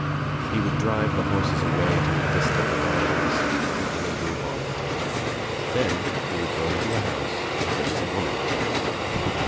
He would drive the horses away to a distant farmhouse and put them into a bam. Then he would go Into a house where there was a woman at work.